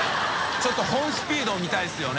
舛腓辰本スピードを見たいですよね。